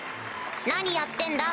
何やってんだ？